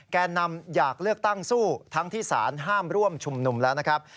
แก่นำอยากเลือกตั้งสู้ทั้งที่สารห้ามร่วมชุมนุมแล้วนะครับ